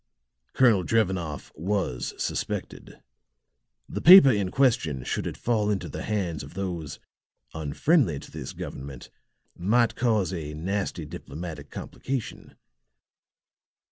Colonel Drevenoff was suspected. The paper in question, should it fall into the hands of those unfriendly to this government, might cause a nasty diplomatic complication.